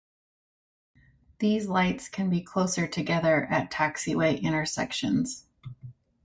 These lights can be closer together at taxiway intersections.